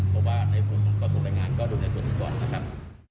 โปรบาทในภูมิผมก็ส่งรายงานก็ดูในส่วนนี้ก่อนนะครับ